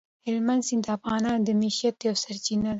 هلمند سیند د افغانانو د معیشت یوه سرچینه ده.